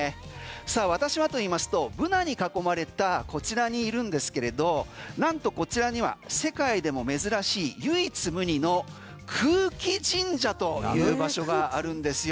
私はと言いますとブナに囲まれたこちらにいるんですけれどなんとこちらには世界でも珍しい唯一無二の空気神社という場所があるんですよ。